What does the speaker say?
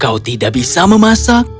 kau tidak bisa memasak